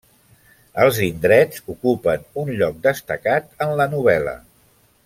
Els indrets ocupen un lloc destacat en la novel·la.